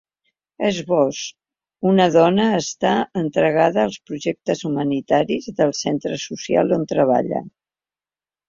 Esbós: Una dona està entregada als projectes humanitaris del centre social on treballa.